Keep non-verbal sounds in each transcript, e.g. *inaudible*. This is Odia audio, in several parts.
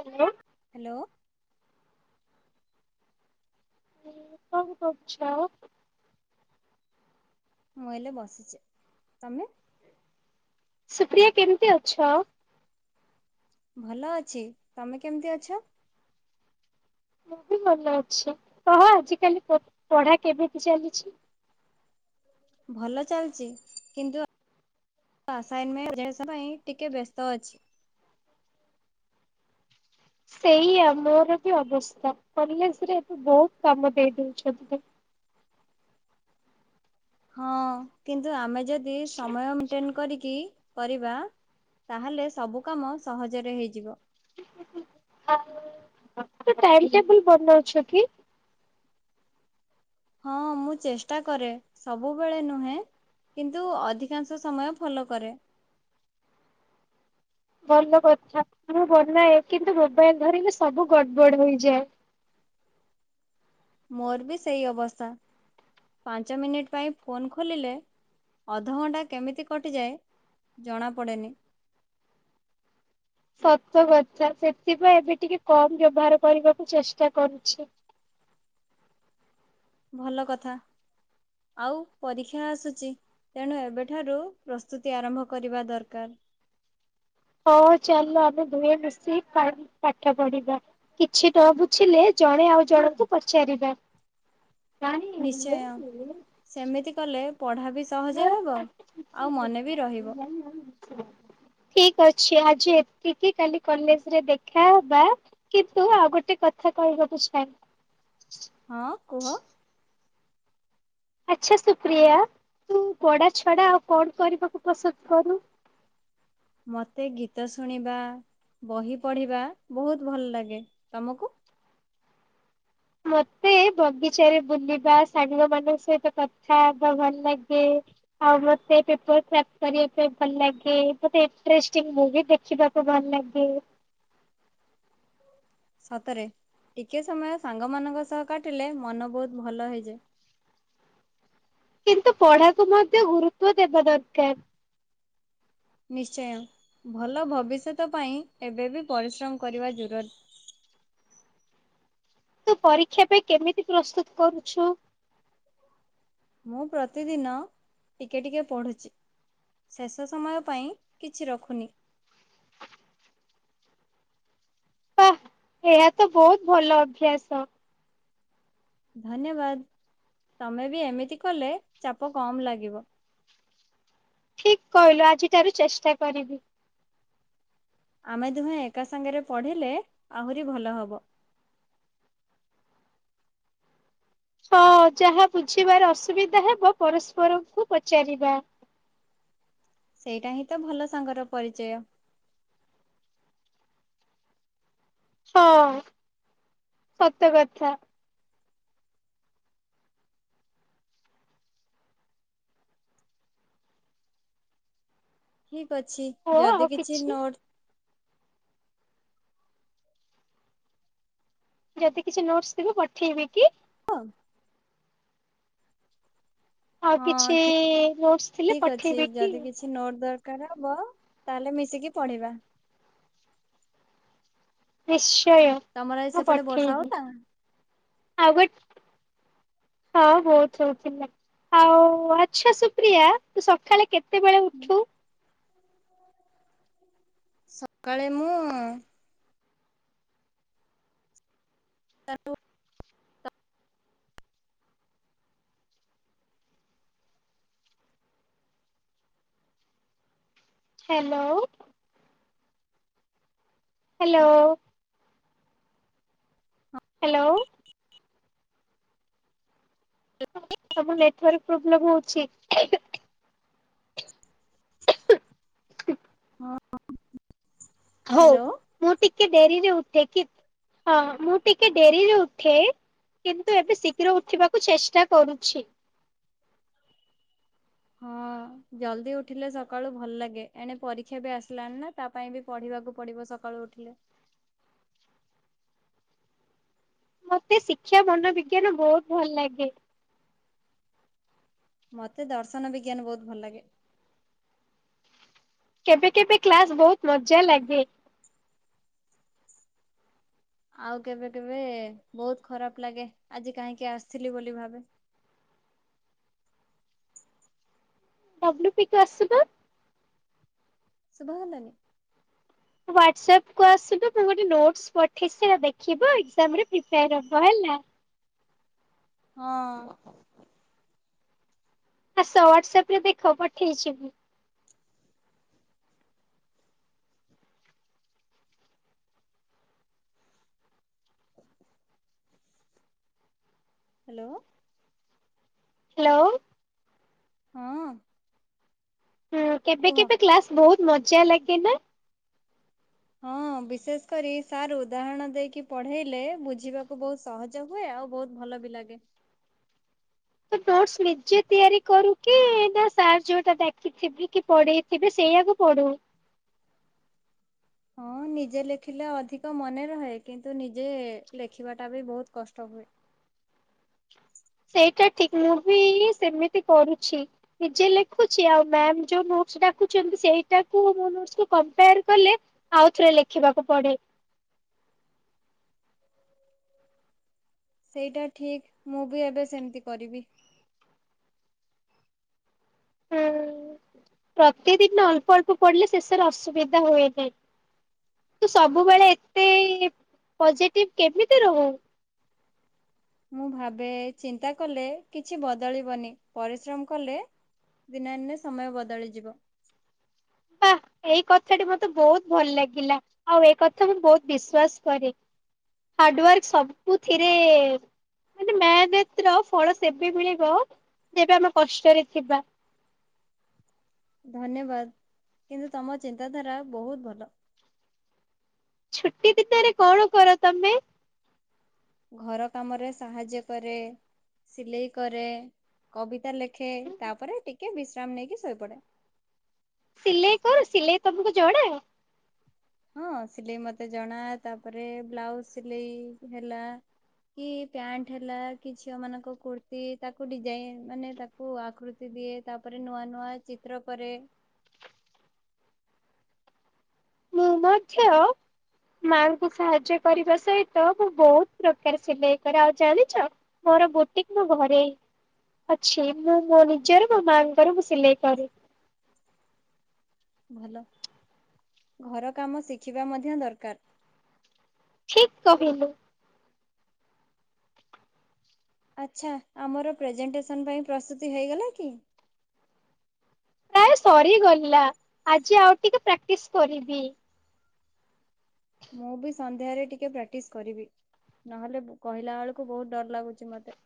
ହାଲୋ। ହ୍ୟାଲୋ। କଣ କରୁଛ? ମୁଁ ଏଇଲେ ବସିଛି। ତମେ? ସୁପ୍ରିୟା କେମିତି ଅଛ? ଭଲ ଅଛି ତମେ କେମିତି ଅଛ? ମୁଁ ବି ଭଲ ଅଛି। କହ ଆଜି କାଲି ପଢ଼ା କେମିତି ଚାଲିଛି? ଭଲ ଚାଲିଛି କିନ୍ତୁ ଆସାଇନମେଣ୍ଟ *unintelligible* ପାଇଁ ଟିକେ ବ୍ୟସ୍ତ ଅଛି। ସେଇଆ ମୋର ବି ଅବସ୍ଥା କଲେଜରେ ଏବେ ବହୁତ କାମ ଦେଇଦଉଛନ୍ତି। ହଁ କିନ୍ତୁ ଆମେ ଯଦି ସମୟ ମେଣ୍ଟେନ କରିକି କରିବା ତାହେଲେ ସବୁ କାମ ସହଜରେ ହେଇଯିବ। ଟାଇମ୍ ଟେବୁଲ ବନଉଛ କି? ହଁ ମୁଁ ଚେଷ୍ଟା କରେ ସବୁବେଳେ ନୁହେଁ କିନ୍ତୁ ଅଧିକାଂଶ ସମୟ ଫଲୋ କରେ। ଭଲ କଥା ମୁଁ ବନାଏ କିନ୍ତୁ ମୋବାଇଲ ଧରିକି ସବୁ ଗଡ଼ବଡ଼ ହେଇଯାଏ। ମୋର ବି ସେଇ ଅବସ୍ଥା। ପାଞ୍ଚ ମିନିଟ୍ ପାଇଁ ଫୋନ୍ ଖୋଲିଲେ ଅଧଘଣ୍ଟା କେମିତି କଟିଯାଏ ଜଣା ପଡ଼େ ନି। ସତ କଥା ସେଥିପାଇଁ ଏବେ ଟିକେ କମ୍ ବ୍ୟବହାର କରିବାକୁ ଚେଷ୍ଟା କରୁଛି। ଭଲ କଥା ଆଉ ପରୀକ୍ଷା ଆସୁଛି ତେଣୁ ଏବେଠାରୁ ପ୍ରସ୍ତୁତି ଆରମ୍ଭ କରିବା ଦରକାର। ହଁ ଚାଲ ଆମେ ଦୁହେଁ ମିଶି ପା ପାଠ ପଢ଼ିବା। କିଛି ନ ବୁଝିଲେ ଜଣେ ଆଉ ଜଣଙ୍କୁ ପଚାରିବ। ନିଶ୍ଚୟ। ସେମିତି କଲେ ପଢ଼ା ବି ସହଜ ହେବ ଆଉ ମନେ ବି ରହିବ। ଠିକ୍ ଅଛି ଆଜି ଏତିକି କାଲି କଲେଜରେ ଦେଖା ହବା କିନ୍ତୁ ଆଉ ଗୋଟେ କଥା କହିବାକୁ ଚାହେଁ। ହଁ କୁହ। ଆଚ୍ଛା ସୁପ୍ରିୟା ତୁ ପଢ଼ା ଛଡ଼ା ଆଉ କଣ କରିବାକୁ ପସନ୍ଦ କରୁ? ମତେ ଗୀତ ଶୁଣିବା ବହି ପଢ଼ିବା ବହୁତ ଭଲ ଲାଗେ। ତମକୁ? ମତେ ବଗିଚାରେ ବୁଲିବା ସାଙ୍ଗ ମାନଙ୍କ ସହିତ କଥା ହେବା ଭଲ ଲାଗେ ଆଉ ମତେ ପେପର କ୍ରାଫ୍ଟ କରିବାପାଇଁ ଭଲ ଲାଗେ ମତେ ଇଣ୍ଟେରେଷ୍ଟିଙ୍ଗ୍ ମୁଭି ଦେଖିବା ଭଲ ଲାଗେ। ସତରେ ଟିକେ ସମୟ ସାଙ୍ଗ ମାନଙ୍କ ସହ କାଟିଲେ ମନ ବହୁତ ଭଲ ହେଇଯାଏ। କିନ୍ତୁ ପଢ଼ାକୁ ମଧ୍ୟ ଗୁରୁତ୍ଵ ଦେବା ଦରକାର। ନିଶ୍ଚୟ ଭଲ ଭବିଷ୍ୟତ ପାଇଁ ଏବେ ବି ପରିଶ୍ରମ କରିବା ଯୁରୁର। ତୁ ପରୀକ୍ଷା ପାଇଁ କେମିତି ପ୍ରସ୍ତୁତ କରୁଛୁ? ମୁଁ ପ୍ରତିଦିନ ଟିକେ ଟିକେ ପଢ଼ୁଛି। ଶେଷ ସମୟ ପାଇଁ କିଛି ରଖୁନି। ବା ଏହା ତ ବହୁତ ଭଲ ଅଭ୍ୟାସ। ଧନ୍ୟବାଦ ତମେ ବି ଏମିତି କଲେ ଚାପ କମ୍ ଲାଗିବ। ଠିକ କହିଲୁ ଆଜିଠାରୁ ଚେଷ୍ଟା କରିବି। ଆମେ ଦୁହେଁ ଏକା ସାଙ୍ଗରେ ପଢ଼ିଲେ ଆହୁରି ଭଲ ହବ। ହଁ ଯାହା ବୁଝିବାରେ ଅସୁବିଧା ହବ ପରସ୍ପରକୁ ପଚାରିବା। ସେଇଟା ହିଁ ତ ଭଲ ସାଙ୍ଗର ପରିଚୟ। ହଁ ସତ କଥା। ଠିକ ଅଛି ଓ ଆଉ ଯଦି କିଛି ନୋଟ ଯଦି କିଛି ନୋଟସ ଥିବ ପଠେଇବି କି? *unintelligible* ଆଉ କିଛି ହଁ ଠିକ ନୋଟ୍ସ୍ ଥିଲେ ଠିକ ଅଛି ପଠେଇବ କି? କିଛି ଯଦି ନୋଟ ଦରକାର ହବ ତାହେଲେ ମିଶିକି ପଢ଼ିବା। ନିଶ୍ଚୟ ତମର ଆଜି ମୁଁ ସେପଟେ ବର୍ଷା ପଠେଇବି ହଉଥିଲା? ଆଉ ଗୋଟେ ହଁ ବହୁତ ହଉଥିଲା ଆଉ ଆଚ୍ଛା ସୁପ୍ରିୟା ତୁ ସକାଳେ କେତେ କେତେବେଳେ ଉଠୁ? ସକାଳେ ମୁଁ *unintelligible* ହ୍ୟାଲୋ। ହ୍ୟାଲୋ। ହ୍ୟାଲୋ। ତମ ନେଟୱାର୍କ ପ୍ରୋବ୍ଲେମ ହଉଛି। *inaudible* ହଉ ହ୍ୟାଲୋ ମୁଁ ଟିକେ ଡେରିରେ ଉଠେ କି ହଁ ମୁଁ ଟିକେ ଡେରିରେ ଉଠେ କିନ୍ତୁ ଏବେ ଶୀଘ୍ର ଉଠିବାକୁ ଚେଷ୍ଟା କରୁଛି। ହଁ ଜଲଦି ଉଠିଲେ ସକାଳୁ ଭଲ ଲାଗେ ଏଣେ ପରୀକ୍ଷା ବି ଆସିଲାଣି ନା ତା ପାଇଁ ବି ପଢ଼ିବାକୁ ପଡ଼ିବ ସକାଳୁ ଉଠିଲେ। ମତେ ଶିକ୍ଷା ମନୋବିଜ୍ଞାନ ବହୁତ ଭଲ ଲାଗେ। ମତେ ଦର୍ଶନ ବିଜ୍ଞାନ ବହୁତ ଭଲ ଲାଗେ। କେବେ କେବେ କ୍ଲାସ ବହୁତ ମଜା ଲାଗେ? ଆଉ କେବେ କେବେ ବହୁତ ଖରାପ ଲାଗେ ଆଜି କାହିଁକି ଆସିଥିଲି ବୋଲି ଭାବେ ଡବ୍ଲୁ ପିକ ଆସୁ ବା? ଶୁଭା ଗଲାନି? ହ୍ୱାଟ୍ସଆପ୍ କୁ ଆସନ୍ତୁ ମୁଁ ଗୋଟେ ନୋଟସ ପଠେଇଛି ଦେଖିବ ଏଜାମରେ ପ୍ରିପ୍ୟାର ହେବ ହେଲା। ହଁ। ଆସ ହ୍ୱାଟସଆପ୍ ରେ ଦେଖ ପଠେଇଛି। ହ୍ୟାଲୋ। ହ୍ୟାଲୋ। ହଁ। ହୁଁ କେବେ କୁହ। କେବେ କ୍ଲାସ ବହୁତ ମଜା ଲାଗେ ନା? ହଁ ବିଶେଷ କରି ସାର୍ ଉଦାହରଣ ଦେଇକି ପଢେଇଲେ ବୁଝିବାକୁ ବହୁତ ସହଜ ହୁଏ ଆଉ ବହୁତ ଭଲ ବି ଲାଗେ। ତ ନୋଟସ ନିଜେ ତିଆରି କରୁ କି ନା ସାର୍ ଯୋଉଟା ଡକିଥିବି କି ପଢେଇ ତେବେ ସେଇଆକୁ ପଡୁ? ହଁ ନିଜେ ଲେଖିଲେ ଅଧିକ ମନେ ରହେ କିନ୍ତୁ ନିଜେ ଲେଖିବାଟା ବି ବହୁତ କଷ୍ଟ ହୁଏ। ସେଇଟା ଠିକ ମୁଁ ବି ସେମିତି କରୁଛି। ନିଜେ ଲେଖୁଛି ଆଉ ମଉ ଡା ସେଇଟାକୁ କ ଆଉଥରେ ଲେଖିବାକୁ ପଡେ। ସେଇଟା ଠିକ ମୁଁ ବି ଏବେ ସେମିତି କରିବି। ହୁଁ ପ୍ରତିଦିନ ଅଳ୍ପ ଅଳ୍ପ ପଡିଲେ ଶେଷରେ ଅସୁବିଧା ହୁଏ ନାହିଁ। ତୁ ସବୁବେଳେ ଏତେ ପଜିଟିଭ କେମିତି ରହୁ? ମୁଁ ଭାବେ ଚିନ୍ତା କଲେ କିଛି ବଦଳିବନି ପରିଶ୍ରମ କଲେ ଦିନେ ଦିନେ ସମୟ ବଦଳିଯିବ। ବା ଏଇ କଥାଟି ମତେ ବହୁତ ଭଲ ଲାଗିଲା। ଆଉ ଏ କଥା ମୁଁ ବହୁତ ବିଶ୍ଵାସ କରେ ହାର୍ଡୱାର୍କ ସବୁଥିରେ ମେନତ ର ଫଳ ସେବେ ମିଳିବ ଯେବେ ଆମେ କଷ୍ଟରେ ଥିବା ଧନ୍ୟବାଦ କିନ୍ତୁ ତମ ଚିନ୍ତାଧାରା ବହୁତ ଭଲ। ଛୁଟି ଦିନରେ କଣ କର ତମେ? ଘର କାମରେ ସାହାଯ୍ୟ କରେ ସିଲେଇ କରେ କବିତା ଲେଖେ ଦେଖେ ତାପରେ ଟିକେ ବିଶ୍ରାମ ନେଇକି ଶୋଇପଡେ। ସିଲେଇ କର ସିଲେଇ ତମକୁ ଯଣା? ହଁ ସିଲେଇ ମତେ ଜଣା ତାପରେ ବ୍ଲାଉଜ ସିଲେଇ ହେଲା କି ପ୍ୟାଣ୍ଟ ହେଲା କି ଝିଅ ମାନଙ୍କ କୁର୍ତ୍ତିୀ ତାକୁ ଡିଜାଇନ ମାନେ ତାକୁ କୁ ଆକୃତି ଦିଏ ତାପରେ ନୂଆ ନୂଆ ଚିତ୍ର କରେ ମୁଁ ମଛଅ ମାଆଙ୍କୁ ସାହାଯ୍ୟ କରିବା ସହିତ ମୁଁ ବହୁତ ପ୍ରକାର ସିଲେଇ କରେ ଆଉ ଜାଣିଛ? ମୋର ବୋଟିକ ନୁ ଘରେ ଅଛି ମୁଁ ମୋ ନିଜର ମୋ ମାଆ ଙ୍କର ମୁଁ ସିଲେଇ କରେ ଭଲ ଘର କାମ ଶିଖିବା ମଧ୍ୟ ଦରକାର। ଠିକ କହିଲୁ। ଆଚ୍ଛା ଆମର ପ୍ରେଜେଣ୍ଟେସନ ପାଇଁ ପ୍ରସ୍ତୁତି ହୋଇଗଲା କି? ସରିଗଲା ଆଜି ଆଉ ଟିକେ ପ୍ରାକ୍ଟିସ କରିବି। ମୁଁ ବି ସନ୍ଧ୍ୟାରେ ଟିକେ ପ୍ରାକ୍ଟିସ କରିବି ନହେଲେ କହିଲା ବେଳକୁ ବହୁତ ଡର ଲାଗୁଛି ମତେ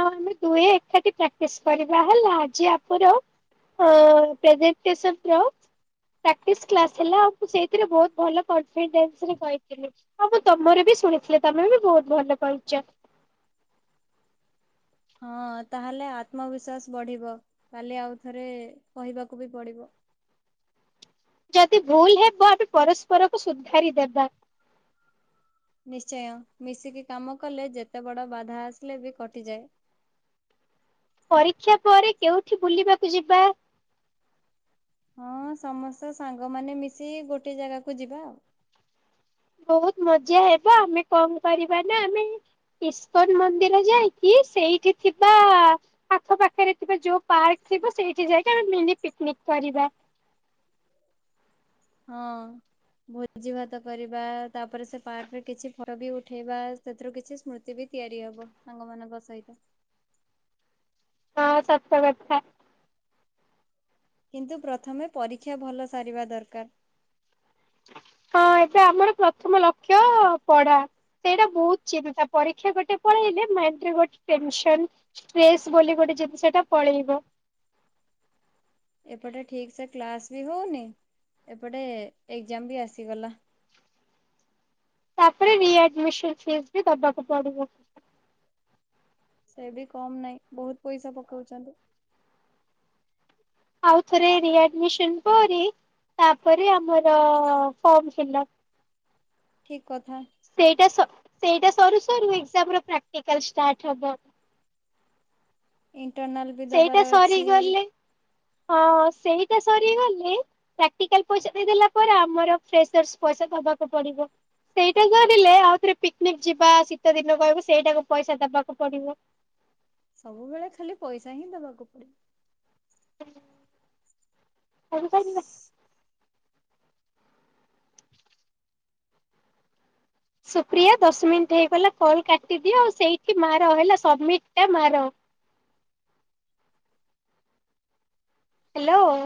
ହଁ ଆମେ ଦୁଇ ଏକାଠି ପ୍ରାକ୍ଟି କରିବା ହେଲା ଆଜି ଆପ ହ ପ୍ରେଜେଣ୍ଟସନ୍ ର ପ୍ରାକ୍ଟିସ୍ କ୍ଲାସ ହେଲା ଆଉ ମୁ ସେଇଥିରେ ବହୁତ ଭଲ କନିଡେନ୍ସରେ କହିଥିଲି ହଁ ମୁଁ ତମର ବି ଶୁଣିଥିଲି ତମେ ବି ବହୁତ ଭଲ କହିଛ। ହଁ ତାହେଲେ ଆତ୍ମବିଶ୍ଵାସ ବଢିବ କାଲି ଆଉ ଥରେ କହିବାକୁ ବି ପଡିବ ଯଦି ଭୁଲ ହେବ ଆମେ ପରସ୍ପରକୁ ସୁଧାରି ଦେବା। ନିଶ୍ଚୟ ମିଶିକି କାମ କଲେ ଯେତେ ବଡ ବାଧା ଆସିଲେ ବି କଟିଯାଏ। ପରୀକ୍ଷା ପରେ କେଉଁଠି ବୁଲିବାକୁ ଯିବା? ହଁ ସମସ୍ତେ ସାଙ୍ଗମାନେ ମିଶିକି ଗୋଟେ ଜାଗାକୁ ଯିବା ଆଉ। ବହୁତ ମଜା ହେବ, ଆମେ କଣ କରିବା ନା ଆମେ ଇସ୍କନ୍ ମନ୍ଦିର ଯାଇକି ସେଇଠି ଥିବା ଆଖ ପାଖରେ ଥିବା ଯୋଉ ପାର୍କ ଥିବ ସେଇଠି ଯାଇକି ଆମେ ମିନି ପିକିନିକି କରିବା ହଁ। ଭୋଜି ଭାତ କରିବା, ତାପରେ ସେ ପାର୍କରେ କିଛି ଫଟୋ ବି ଉଠେଇବା, ସେଥିରୁ କିଛି ସ୍ମୃତି ବି ତିଆରି ହବ ସାଙ୍ଗମାନଙ୍କ ସହିତ। ହଁ ସତ କଥା। କିନ୍ତୁ ପ୍ରଥମେ ପରୀକ୍ଷା ଭଲ ସାରିବା ଦରକାର। ହଁ ଏବେ ଆମର ପ୍ରଥମ ଲକ୍ଷ୍ୟ ପଢା। ସେଇଟା ବହୁତ ଚିନ୍ତା, ପରୀକ୍ଷା ଗୋଟେ ପଳେଇଲେ ମାଇଣ୍ଡରେ ଗୋଟେ ଟେନସନ୍ ଷ୍ଟ୍ରେସ୍ ବୋଲି ଗୋଟେ ଜିନିଷଟା ପଳେଇବ। ଏପଟେ ଠିକ ସେ କ୍ଲାସ ବି ହଉନି, ଏପଟେ ଏକ୍ଜାମ ବି ଆସିଗଲା। ତାପରେ ରିଆଡମିସନ ଫିସ୍ ବି ଦବାକୁ ପଡିବ। ସେ ବି କମ ନାଇଁ ବହୁତ ପଇସା ପକଉଚନ୍ତି। ଆଉଥରେ ରି ଆତମିସନ ପରେ ତାପରେ ଆମର ଫର୍ମ ଫିଲପ। ଠିକ କଥା। ସେଇଟା ସ ସେଇଟା ସରୁ ସରୁ ଏକ୍ଜାମ ପ୍ରାକ୍ଟିକାଲ ଷ୍ଟାର୍ଟ ହବ। ଇଣ୍ଟରନାଲ୍ ସେଇଟା ସରିଗଲେ ହଁ ସେଇଟା ସରିଗଲେ। ପ୍ରାକ୍ଟିକାଲ ପଇସା ଦେଇଦେଲା ପରେ ଆମର ଫେସର୍ଷ ପଇସା ଦବାକୁ ପଡିବ। ସେଇଟା ଧରିଲେ ଆଉ ଥରେ ପିକ୍ନିକ ଯିବା ଶୀତ ଦିନ କହିବ ସେଇଟାକୁ ପଇସା ଦବାକୁ ପଡିବ। ସବୁବେଳେ ଖାଲି ପଇସା ହିଁ ଦବାକୁ ପଡିବ। ସବୁ ଟାଇମରେ। ସୁପ୍ରିୟା ଦଶ ମିନିଟ୍ ହେଇଗଲା କଲ୍ କାଟିଦିଅ ଆଉ ସେଇଠି ମାର ହେଲା ସବମିଟ୍ଟ୍ ଟା ମାର। ହ୍ୟାଲୋ।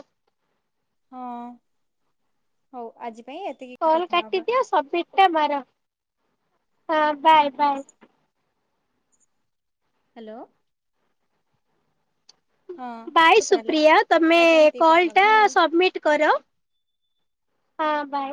ହଁ, ହଉ ଆଜି ପାଇଁ ଏ କଲ୍ କାଟିଦିଅ ସବମିଟ ଟା ମାର, ହଁ ବାଏ ବାଏ। ହାଲୋ। ହଁ ବାଏ ହଉ ତାହେଲେ ସୁପ୍ରିୟା ତମେ ଆଜି ପାଇଁ ଏତିକି କଥା କଲଟା ହବା ବାଏ। ସବମିଟ୍ କର। ହଁ ବାଏ।